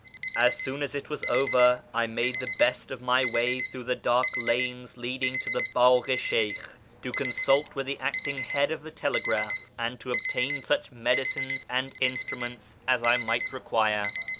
As soon as it was over, I made the best of my way through the dark lanes leading to the Bagh i Sheykh, to consult with the acting head :if the telegraph, and to obtain such medicines and instruments IS I might require.